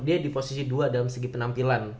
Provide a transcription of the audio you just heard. dia di posisi dua dalam segi penampilan